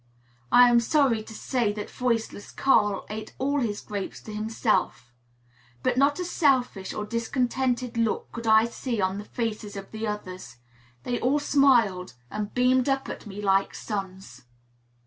I am sorry to say that voiceless Carl ate all his grapes himself; but not a selfish or discontented look could I see on the faces of the others, they all smiled and beamed up at me like suns.